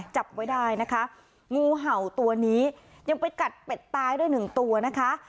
จับไว้ได้นะคะงูเห่าตัวนี้ยังไปกัดเป็ดตายด้วยหนึ่งตัวนะคะ